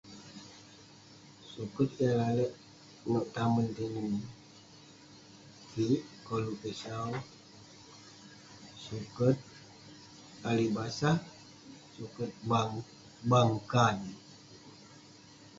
Suket yah lalek nouk tamen tinen kik, koluk kik sau ; suket Ali Basah, suket Bang- Bang Kan.